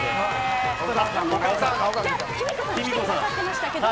きみ子さんもきてくださってましたけど。